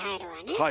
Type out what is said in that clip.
はい。